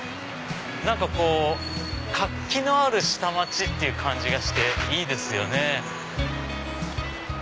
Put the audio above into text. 何かこう活気のある下町って感じがしていいですよね。